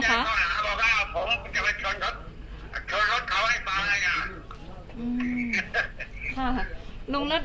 ผมจะไปชนรถเขาให้ฟังเลย